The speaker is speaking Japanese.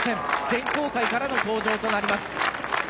選考会からの登場となります。